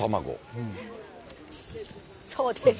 そうです。